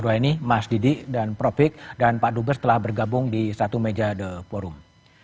dua ini mas didi dan profik dan pak dubes telah bergabung di satu meja the forum